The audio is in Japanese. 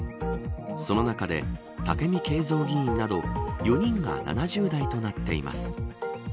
その中で武見敬三議員など４人が７０代となっています。